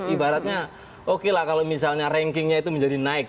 ibaratnya oke lah kalau misalnya rankingnya itu menjadi naik